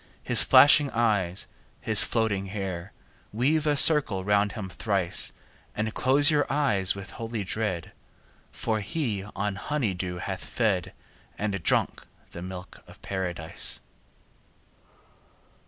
His flashing eyes, his floating hair! 50 Weave a circle round him thrice, And close your eyes with holy dread, For he on honey dew hath fed, And drunk the milk of Paradise.